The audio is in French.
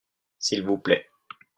s'il vous plait.